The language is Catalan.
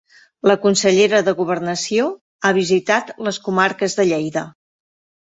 La consellera de Governació ha visitat les comarques de Lleida.